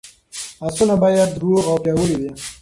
اسونه باید روغ او پیاوړي وي.